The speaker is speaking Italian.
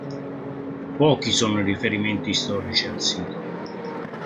Pochi sono i riferimenti storici al sito.